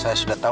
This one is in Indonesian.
saya sudah tahu